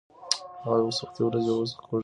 هغه سختې ورځې اوس خوږې خاطرې دي.